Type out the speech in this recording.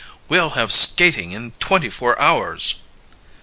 We'll have skating in twenty four hours!"